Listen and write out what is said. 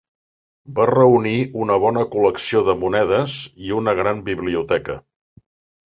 Va reunir una bona col·lecció de monedes i una gran biblioteca.